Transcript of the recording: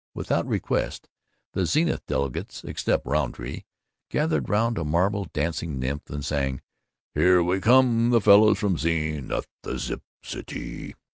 Without request, the Zenith delegates (except Rountree) gathered round a marble dancing nymph and sang "Here we come, the fellows from Zenith, the Zip Citee."